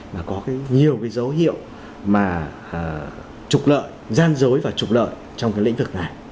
và có nhiều cái dấu hiệu mà trục lợi gian dối và trục lợi trong cái lĩnh vực này